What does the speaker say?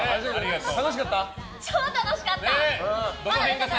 超楽しかった！